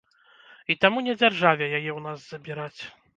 І таму не дзяржаве яе ў нас забіраць.